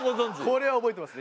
これは覚えてますね。